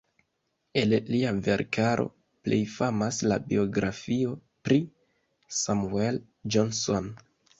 El lia verkaro plej famas la biografio pri Samuel Johnson.